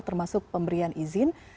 termasuk pemberian izin